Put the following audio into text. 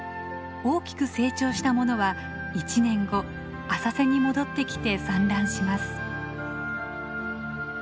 大きく成長したものは１年後浅瀬に戻ってきて産卵します。